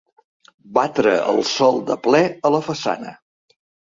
Batre el sol de ple a la façana.